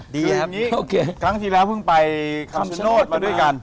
โอเคครั้งที่แล้วเพิ่งไปคำชโนธมาด้วยกัน